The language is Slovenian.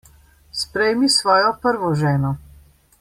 Sprejmi svojo prvo ženo.